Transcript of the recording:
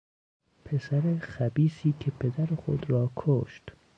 پسر خبیثی که پدر خود را کشت